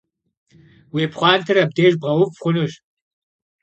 Vui pxhuanter abdêjj bğeuv xhunuş.